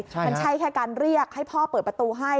มันใช่แค่การเรียกให้พ่อเปิดประตูให้